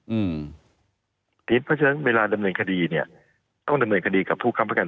เพราะฉะนั้นเวลาดำเนินคดีเนี่ยต้องดำเนินคดีกับผู้ค้ำประกัน